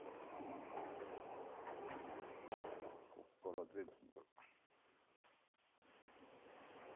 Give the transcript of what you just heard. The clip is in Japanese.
ここから全部。